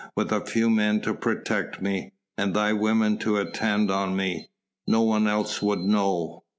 with a few men to protect me ... and thy women to attend on me ... no one else would know...."